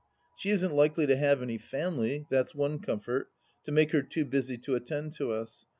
She isn't likely to have any family, that's one comfort, to make her too busy to attend to us.